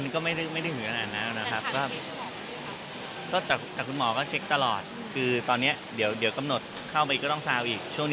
ก็ไม่ได้ถึงขณะนั้น